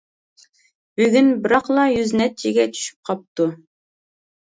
بۈگۈن بىراقلا يۈز نەچچىگە چۈشۈپ قاپتۇ.